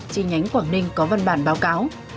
chi nhánh quảng ninh có văn bản báo cáo